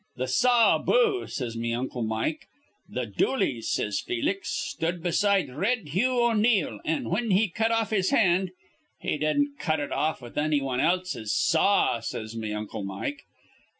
"' 'Th' saw aboo,' says me uncle Mike. 'Th' Dooleys,' says Felix, 'stood beside Red Hugh O'Neill; an', whin he cut aff his hand, ' 'He didn't cut it off with anny wan else's saw,' says me uncle Mike.